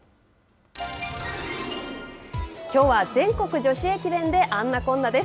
きょうは全国女子駅伝であんなこんなです。